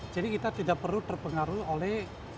jadi kita tidak perlu terpengaruh oleh